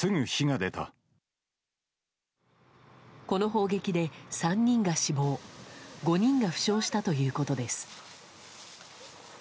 この砲撃で、３人が死亡５人が負傷したということです。